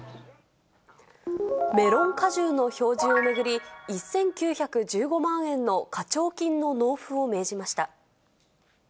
メロン果汁の表示を巡り、１９１５万円の課徴金の納付を命じました。